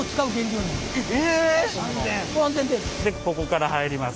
ここから入ります。